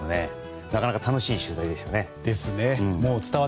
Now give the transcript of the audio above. なかなか楽しい取材でしたね。